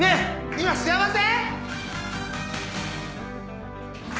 今幸せ？